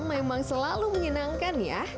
memang selalu menyenangkan ya